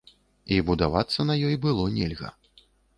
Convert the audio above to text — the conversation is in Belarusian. І будавацца на ёй было нельга.